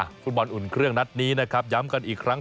ฟุตบอลอุ่นเครื่องนัดนี้นะครับย้ำกันอีกครั้ง